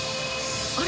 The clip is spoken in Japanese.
あれ？